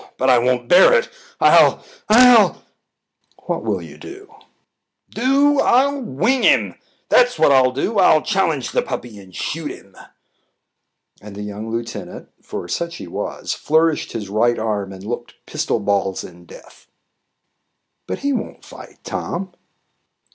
But I won't bear it I'll ll" "What will you do?" "Do? I'll I'll wing him! that's what I'll do. I'll challenge the puppy and shoot him." And the young lieutenant, for such he was, flourished his right arm and looked pistol balls and death. "But he won't fight, Tom."